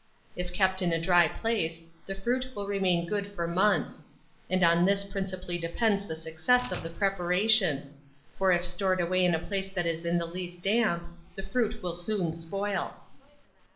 If kept in a dry place, the fruit will remain good for months; and on this principally depends the success of the preparation; for if stored away in a place that is in the least damp, the fruit will soon spoil.